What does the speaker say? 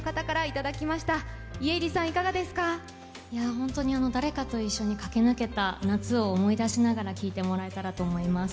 本当に誰かと一緒に駆け抜けた夏を思い出しながら聴いていただいたらと思います。